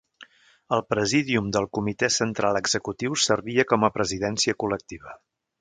El Presídium del Comitè Central Executiu servia com a presidència col·lectiva.